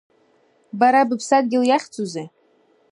Бара быԥсадгьыл иахьӡузеи?